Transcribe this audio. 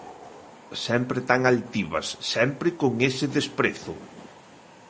Sempre tan altivas, sempre con ese desprezo.